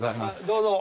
どうぞ。